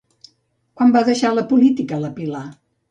Quan va deixar la política la Pilar?